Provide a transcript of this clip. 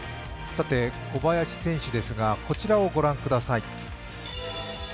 小林選手ですが、こちらを御覧ください。